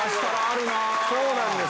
そうなんです。